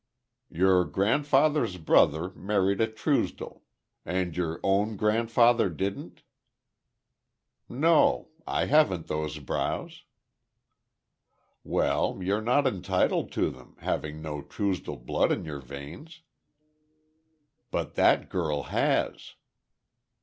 "Your grandfather's brother married a Truesdell. And your own grandfather didn't?" "No; I haven't those brows." "Well, you're not entitled to them, having no Truesdell blood in your veins." "But that girl has."